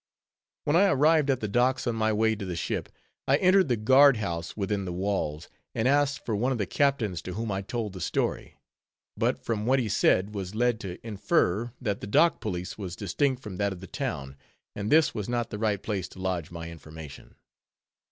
When I arrived at the docks on my way to the ship, I entered the guard house within the walls, and asked for one of the captains, to whom I told the story; but, from what he said, was led to infer that the Dock Police was distinct from that of the town, and this was not the right place to lodge my information.